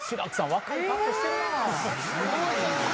若い格好してるな。